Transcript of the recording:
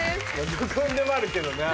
どこにでもあるけどな。